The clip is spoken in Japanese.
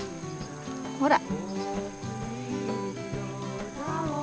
ほら！